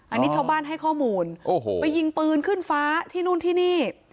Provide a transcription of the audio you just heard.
อันนี้ชาวบ้านให้ข้อมูลโอ้โหไปยิงปืนขึ้นฟ้าที่นู่นที่นี่